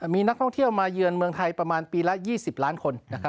มีนักท่องเที่ยวมาเยือนเมืองไทยประมาณปีละ๒๐ล้านคน